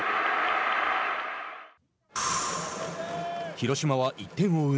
広島は１点を追う